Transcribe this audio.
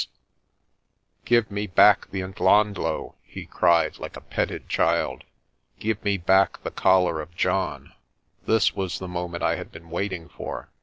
INANDA'S KRAAL 197 "Give me back the Ndhlondhlo," he cried, like a petted child. "Give me back the collar of John." This was the moment I had been waiting for.